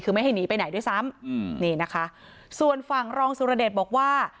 คือไม่ให้หนีไปไหนด้วยซ้ำอืมนี่นะคะส่วนฝั่งรองสุรเดชบอกว่า